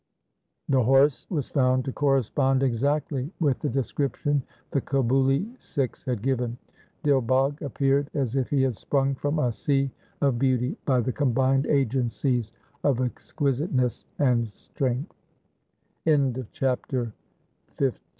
2 The horse was found to correspond exactly with the description the Kabuli Sikhs had given. Dil Bagh appeared as if he had sprung from a sea of beauty by the combined agencies of exquisite